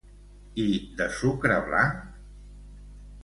I de sucre blanc?